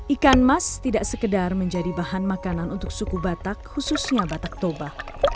ikan mas tidak sekedar menjadi bahan makanan untuk suku batak khususnya batak toba